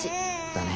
だね。